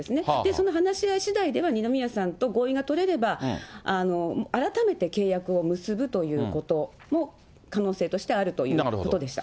その話し合いしだいでは、二宮さんと合意が取れれば、改めて契約を結ぶということも可能性としてあるということでした。